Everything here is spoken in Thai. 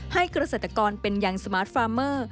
เกษตรกรเป็นอย่างสมาร์ทฟาร์เมอร์